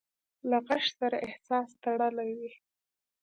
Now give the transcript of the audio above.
له غږ سره احساس تړلی وي.